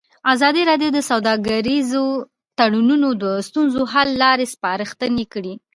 ازادي راډیو د سوداګریز تړونونه د ستونزو حل لارې سپارښتنې کړي.